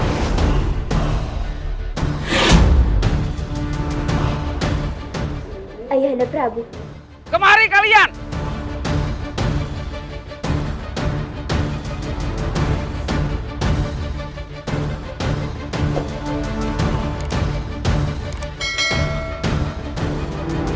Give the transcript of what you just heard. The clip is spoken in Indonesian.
ayahnya prabu kemari kalian